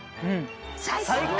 最高？